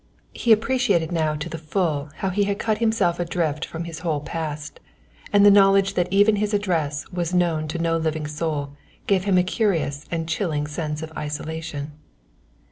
He appreciated now to the full how he had cut himself adrift from his whole past, and the knowledge that even his address was known to no living soul gave him a curious and chilling sense of isolation.